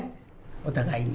お互いに。